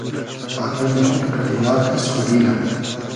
آدئمی خوب قئدی آر کئس خوبی نۂ